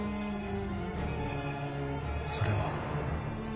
それは？